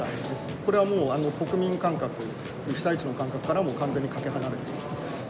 これはもう、国民感覚、被災地の感覚からも完全にかけ離れている。